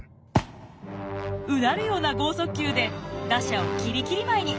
うなるような豪速球で打者をきりきり舞いに。